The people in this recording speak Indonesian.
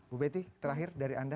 bu betty terakhir dari anda